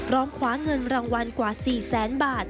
ร้องคว้าเงินรางวัลกว่า๔แสนบาท